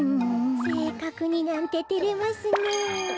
せいかくになんててれますねえ。